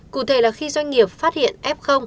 cụ thể là khi doanh nghiệp phát hiện f